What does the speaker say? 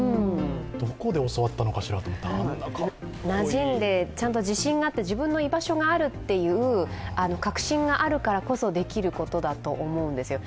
どこで教わったのかしらと、あんなかっこいいなじんでちゃんと自信があって、自分の居場所があるっていう確信があるからこそできることだと思うんですよ。